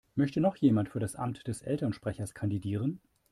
Möchte noch jemand für das Amt des Elternsprechers kandidieren?